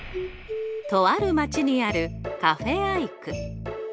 とある街にある「カフェ・アイク」。